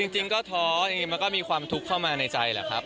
จริงก็ท้ออย่างนี้มันก็มีความทุกข์เข้ามาในใจแหละครับ